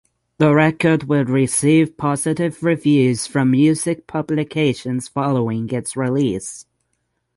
The record would receive positive reviews from music publications following its release.